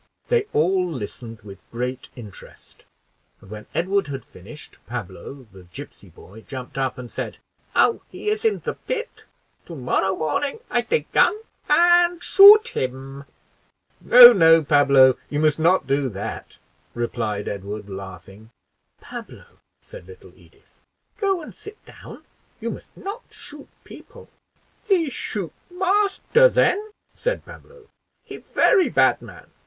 They all listened with great interest; and when Edward had finished, Pablo, the gipsy boy, jumped up and said, "Now he is in the pit, to morrow morning I take gun and shoot him." "No, no, Pablo, you must not do that," replied Edward, laughing. "Pablo," said little Edith, "go and sit down; you must not shoot people." "He shoot master then," said Pablo; "he very bad man."